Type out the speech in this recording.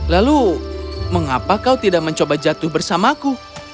lalu mengapa kau tidak mencoba jatuh bersamaku